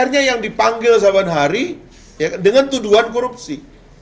dpr nya yang dipanggil saban hari dengan tuduhan korupsi